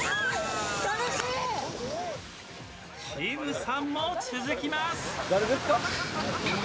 きむさんも続きます。